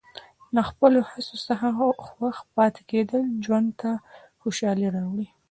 د خپلو هڅو څخه خوښ پاتې کېدل ژوند ته خوشحالي راوړي.